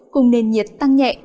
cùng nền nhiệt tăng nhẹ